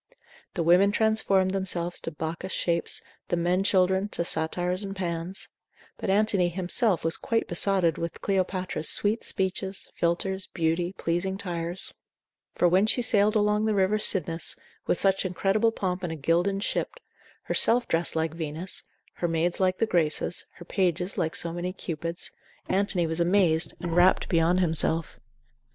The women transformed themselves to Bacchus shapes, the men children to Satyrs and Pans; but Antony himself was quite besotted with Cleopatra's sweet speeches, philters, beauty, pleasing tires: for when she sailed along the river Cydnus, with such incredible pomp in a gilded ship, herself dressed like Venus, her maids like the Graces, her pages like so many Cupids, Antony was amazed, and rapt beyond himself.